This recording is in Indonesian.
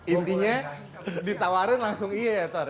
intinya ditawarin langsung iya ya tora